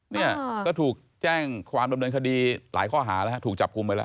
เนี่ยก็ถูกแจ้งความดำเนินคดีหลายข้อหาแล้วถูกจับกลุ่มไปแล้ว